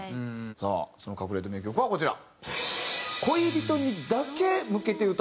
さあその隠れた名曲はこちら。